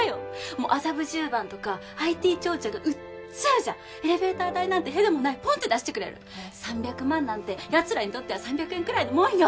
もう麻布十番とかＩＴ長者がウッジャウジャエレベーター代なんてへでもないポンって出してくれる３００万なんてやつらにとっては３００円くらいのもんよ